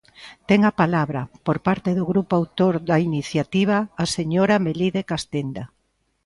Ten a palabra, por parte do grupo autor da iniciativa, a señora Melide Castenda.